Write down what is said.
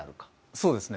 そうですね。